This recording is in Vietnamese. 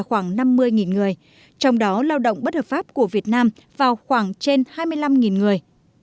khoảng năm mươi người trong đó lao động bất hợp pháp của việt nam vào khoảng trên hai mươi năm người